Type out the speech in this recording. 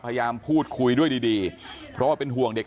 พยายามพูดคุยด้วยดีดีเพราะว่าเป็นห่วงเด็ก